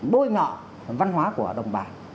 bôi ngọ văn hóa của đồng bào